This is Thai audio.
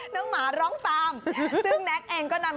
น้องหมาร้องตาม